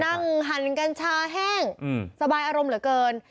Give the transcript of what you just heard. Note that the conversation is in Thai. หั่นกัญชาแห้งสบายอารมณ์เหลือเกิน